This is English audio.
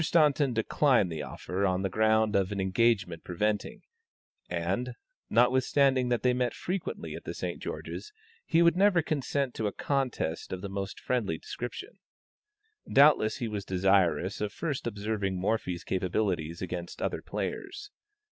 Staunton declined the offer on the ground of an engagement preventing, and, notwithstanding that they met frequently at the St. George's, he would never consent to a contest of the most friendly description. Doubtless he was desirous of first observing Morphy's capabilities against other players.